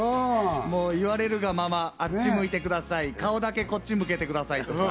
言われるがまま、あっち向いてください、顔だけこっち向けてください。